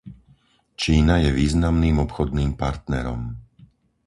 Čína je významným obchodným partnerom.